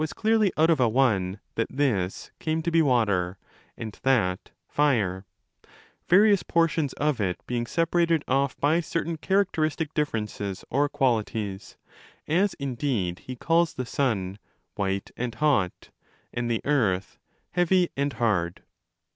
clearly out of a One that ¢i7s came to be Water, and shat το Fire, various portions of it being separated off by certain characteristic differences or qualities—as indeed he calls the sun ' white and hot', and the earth 'heavy and hard'.